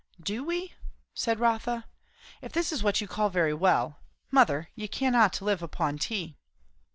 "Do we?" said Rotha. "If this is what you call very well Mother, you cannot live upon tea."